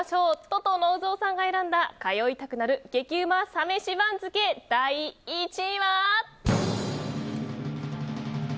ととのう蔵さんが選んだ通いたくなる激うまサ飯番付第１位は。